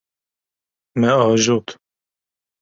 Me ajot.